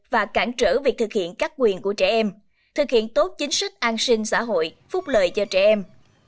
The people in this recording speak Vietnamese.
và cản trở việc thực hiện các quyền của trẻ em thực hiện tốt chính sách an sinh xã hội phúc lợi cho trẻ em